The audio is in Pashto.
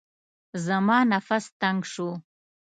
زما نفس تنګ شو.